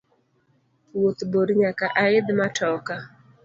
Wuoth bor nyaka aidh matoka.